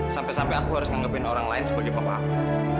sampai sampai aku harus menanggapin orang lain sebagai papa aku